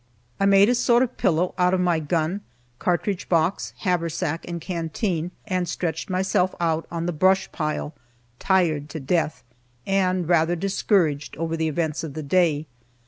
I made a sort of pillow out of my gun, cartridge box, haversack and canteen, and stretched myself out on the brush pile, tired to death, and rather discouraged over the events of the day.